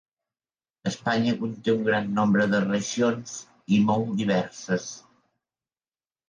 Espanya conté un gran nombre de regions i molt diverses.